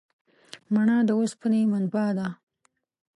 مڼه د اوسپنې منبع ده.